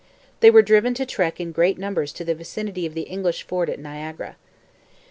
They were driven to trek in great numbers to the vicinity of the English fort at Niagara.